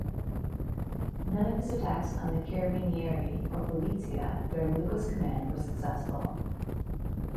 None of his attacks on the Carabinieri or Polizia during Luca's command were successful.